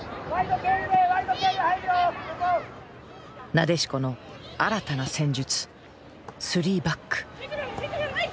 なでしこの新たな戦術３バック。